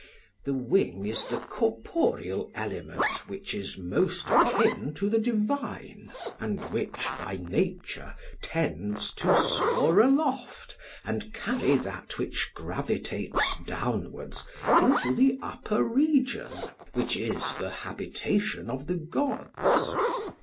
The wing is the corporeal element which is most akin to the divine, and which by nature tends to soar aloft and carry that which gravitates downwards into the upper region, which is the habitation of the gods.